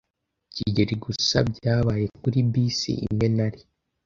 kigeli gusa byabaye kuri bisi imwe nari.